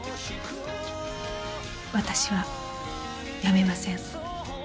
私は辞めません。